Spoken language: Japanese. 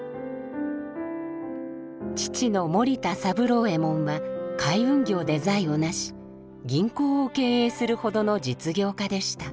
父の森田三郎右衛門は海運業で財を成し銀行を経営するほどの実業家でした。